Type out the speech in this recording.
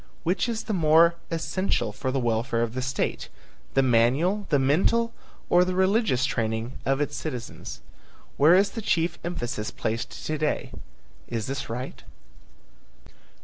Which is the more essential for the welfare of the state, the manual, the mental or the religious training of its citizens? Where is the chief emphasis placed to day? Is this right?